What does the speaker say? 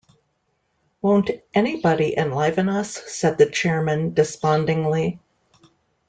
‘Won’t anybody enliven us?’ said the chairman, despondingly.